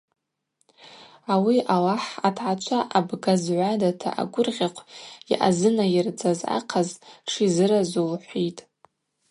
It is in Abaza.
Ауи Алахӏ атгӏачва абга-згӏвадата агвыргъьахъв йъазынайырдзаз ахъаз дшизыразу лхӏвитӏ.